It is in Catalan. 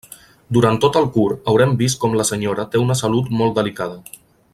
Durant tot el curt, haurem vist com la senyora té una salut molt delicada.